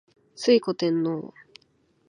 推古天皇